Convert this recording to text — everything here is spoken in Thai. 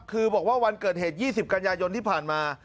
คือบอกว่าวันเกิดเหตุ๒๐กันยายนที่ผ่านมา